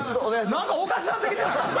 なんかおかしなってきてない？